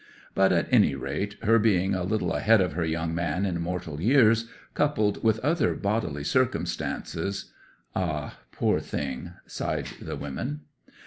But, at any rate, her being a little ahead of her young man in mortal years, coupled with other bodily circumstances—' ('Ah, poor thing!' sighed the women.)